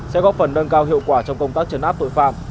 sẽ góp phần nâng cao hiệu quả trong công tác chấn áp tội phạm